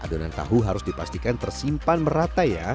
adonan tahu harus dipastikan tersimpan merata ya